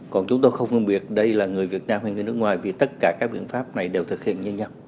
còn chúng tôi không phân biệt đây là người việt nam hay người nước ngoài vì tất cả các biện pháp này đều thực hiện như nhau